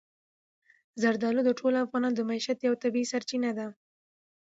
زردالو د ټولو افغانانو د معیشت یوه طبیعي سرچینه ده.